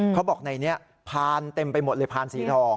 เขาบอกในนี้พานเต็มไปหมดเลยพานสีทอง